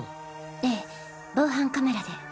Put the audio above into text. ええ防犯カメラで。